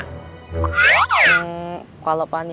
hmm kalau pani